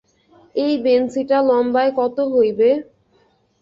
– এই বেঞ্চিটা লম্বায় কত হইবে?